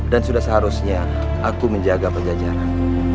dan sudah seharusnya aku menjaga pajajaran